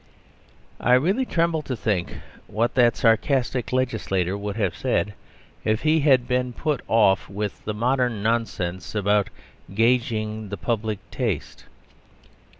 I really tremble to think what that sarcastic legislator would have said if he had been put off with the modern nonsense about "gauging the public taste."